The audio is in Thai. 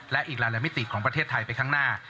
และอีกหลายมิติของประเทศไทยไปข้างหน้า